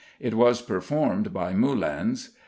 It was performed by Moulins.